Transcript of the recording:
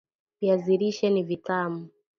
Viazi lishe ni vitamu